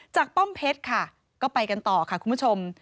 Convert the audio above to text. ป้อมเพชรค่ะก็ไปกันต่อค่ะคุณผู้ชม